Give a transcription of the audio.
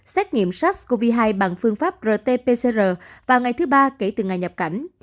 xét nghiệm sars cov hai bằng phương pháp rt pcr vào ngày thứ ba kể từ ngày nhập cảnh